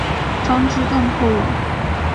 张之洞后人。